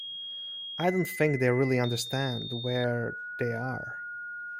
I don't think they really understand where they are.